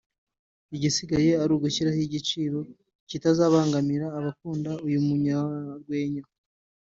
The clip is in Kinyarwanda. igisigaye ari ugushyiraho igiciro kitazabangamira abakunda uyu munyarwenya